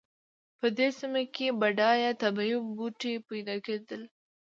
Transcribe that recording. په دې سیمه کې بډایه طبیعي بوټي پیدا کېدل.